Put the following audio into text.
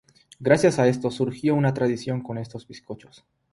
Gracias a esto surgió una tradición con estos bizcochos.